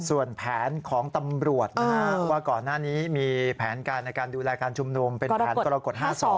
ส่วนแผนของตำรวจนะฮะว่าก่อนหน้านี้มีแผนการในการดูแลการชุมนุมเป็นแผนกรกฎ๕๒